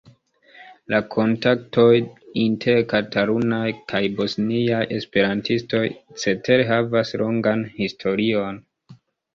La kontaktoj inter katalunaj kaj bosniaj esperantistoj cetere havas longan historion.